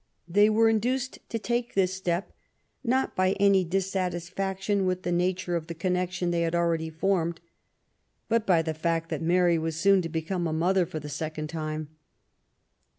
They were induced to take this step, not by any dissatisfaction with the nature of the connection they had already formed, but by the fact that Mary was . soon to become a mother for the second time.